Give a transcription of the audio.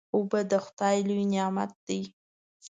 اوبه د خدای لوی نعمت دی.